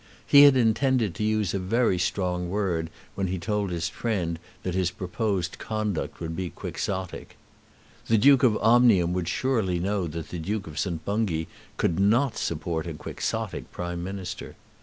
He had intended to use a very strong word when he told his friend that his proposed conduct would be Quixotic. The Duke of Omnium would surely know that the Duke of St. Bungay could not support a Quixotic Prime Minister.